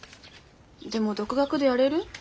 でも独学でやれる？